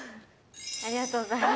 ありがとうございます。